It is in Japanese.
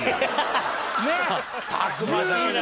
たくましいな！